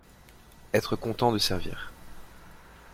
Être content de servir